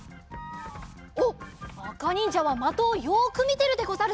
おっあかにんじゃはまとをよくみてるでござるぞ。